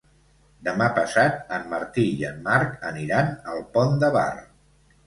Demà passat en Martí i en Marc aniran al Pont de Bar.